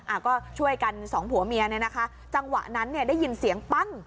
อ่ะก็ช่วยกันสองผัวเมียเนี่ยนะคะจังหวะนั้นเนี่ยได้ยินเสียงปั้ง